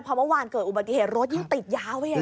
เพราะว่าเมื่อวานเกิดอุบัติเหตุรถยังติดยาวไว้อย่างนี้